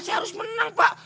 saya harus menang pak